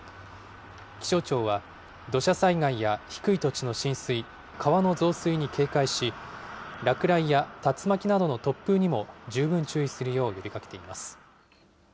気象庁は、土砂災害や低い土地の浸水、川の増水に警戒し、落雷や竜巻などの突風にも十分注意するよう呼びかけています。